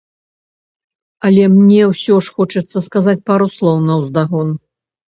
Але мне ўсё ж хочацца сказаць пару словаў наўздагон.